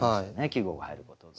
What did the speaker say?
季語が入ることで。